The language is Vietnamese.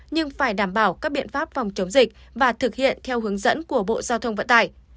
nhưng phải đảm bảo các biện pháp phòng chống dịch và thực hiện theo hướng dẫn của bộ giao thông vận tải